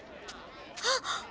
あっ！